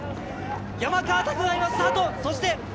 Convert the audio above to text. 山川拓馬が今スタート。